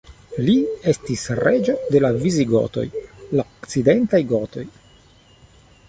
Li estis reĝo de la visigotoj, la okcidentaj gotoj.